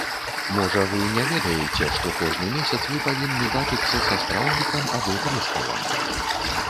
Можа, вы не ведаеце, што кожны месяц вы павінны бачыцца са спраўнікам або прыставам?